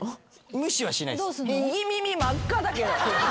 無視はしないっす。